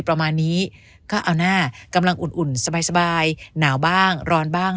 ประมาณนี้ก็เอาหน้ากำลังอุ่นสบายหนาวบ้างร้อนบ้าง